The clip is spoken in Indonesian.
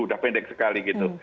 sudah pendek sekali gitu